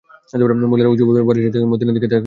মহিলারা উঁচু বাড়ির ছাদে উঠে মদীনার দিকে দেখতে থাকে।